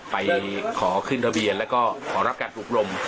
ไปขอขึ้นทะเบียนแล้วก็ขอรับการอบรม